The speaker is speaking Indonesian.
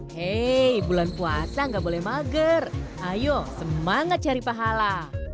hei bulan puasa nggak boleh mager ayo semangat cari pahala